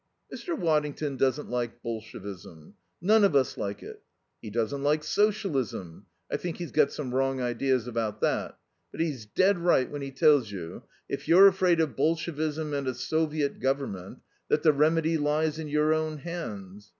"Mr. Waddington doesn't like Bolshevism. None of us like it. He doesn't like Socialism. I think he's got some wrong ideas about that. But he's dead right when he tells you, if you're afraid of Bolshevism and a Soviet Government, that the remedy lies in your own hands.